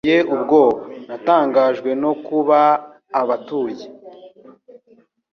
riteye ubwoba. Natangajwe no kuba abatuye